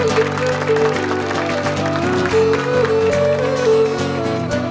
แล้วไม่ได้เป่าแค้นนะ